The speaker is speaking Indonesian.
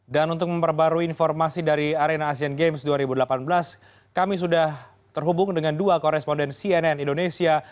dan untuk memperbarui informasi dari arena asean games dua ribu delapan belas kami sudah terhubung dengan dua koresponden cnn indonesia